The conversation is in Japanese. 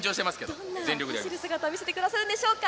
どんな走る姿を見せてくれるんでしょうか。